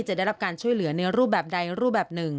จะได้รับการช่วยเหลือในรูปแบบใดรูปแบบหนึ่ง